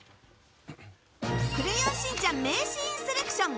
「クレヨンしんちゃん」名シーンセレクション！